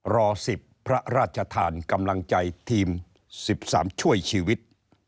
รอ๑๐พระราชทานกำลังใจทีม๑๓ช่วยชีวิต